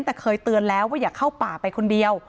แต่เคยเตือนแล้วว่าอย่าเข้าป่าไปคนเดียว